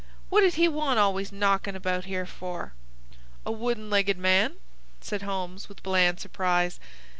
What did he want always knockin' about here for?" "A wooden legged man?" said Holmes, with bland surprise.